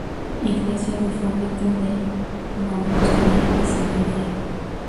Iglesia es de fábrica de mampostería y sillería.